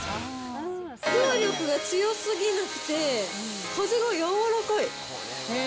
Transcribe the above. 風力が強すぎなくて、風が柔らかい。